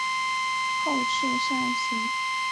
后翅扇形。